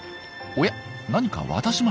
何か渡しました。